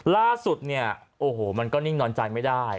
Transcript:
ล่าสุดเนี่ยโอ้โหมันก็นิ่งนอนใจไม่ได้